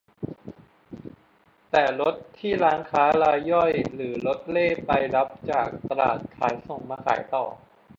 แต่รถที่ร้านค้ารายย่อยหรือรถเร่ไปรับจากตลาดขายส่งมาขายต่อ